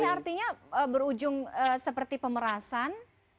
ini artinya berujung seperti pemerasan